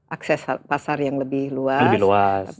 akses pasar yang lebih luas